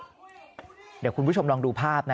เดี๋ยวคุณผู้ชมลองดูภาพนะ